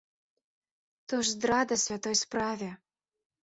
То ж здрада святой справе.